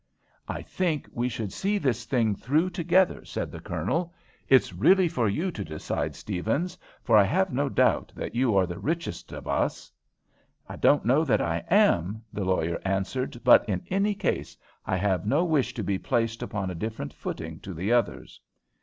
"I think we should see this thing through together," said the Colonel. "It's really for you to decide, Stephens, for I have no doubt that you are the richest of us." "I don't know that I am," the lawyer answered; "but, in any case, I have no wish to be placed upon a different footing to the others."